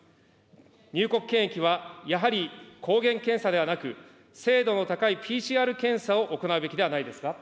入国検疫はやはり抗原検査ではなく、精度の高いＰＣＲ検査を行うべきではないですか。